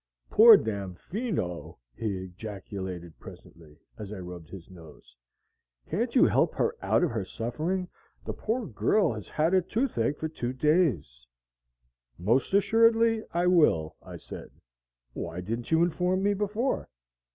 "Poor Damfino!" he ejaculated presently, as I rubbed his nose. "Can't you help her out of her suffering? The poor girl has had a toothache for two days." "Most assuredly I will," I said. "Why didn't you inform me before?"